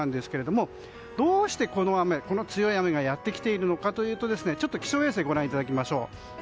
どうして、この強い雨がやってきているのかというと気象衛星ご覧いただきましょう。